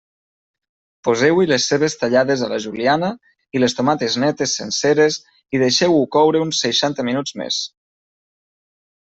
Poseu-hi les cebes tallades a la juliana i les tomates netes senceres i deixeu-ho coure uns seixanta minuts més.